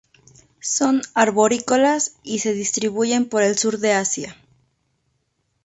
Son arborícolas y de distribuyen por el sur de Asia.